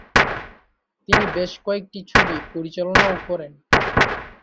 তিনি বেশ কয়েকটি ছবি পরিচালনাও করেন।